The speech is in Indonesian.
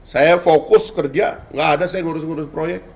saya fokus kerja nggak ada saya ngurus ngurus proyek